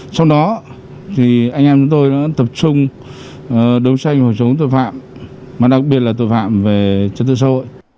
trong đó anh em tôi đã tập trung đối xoay với phòng chống tội phạm mà đặc biệt là tội phạm về trật tựa xã hội